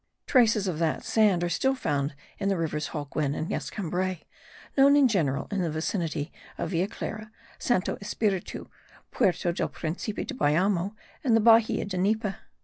traces of that sand are still found in the rivers Holguin and Escambray, known in general in the vicinity of Villa Clara, Santo Espiritu, Puerto del Principe de Bayamo and the Bahia de Nipe.